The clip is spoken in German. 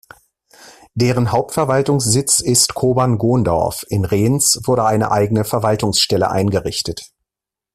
Deren Hauptverwaltungssitz ist Kobern-Gondorf, in Rhens wurde eine eigene Verwaltungsstelle eingerichtet.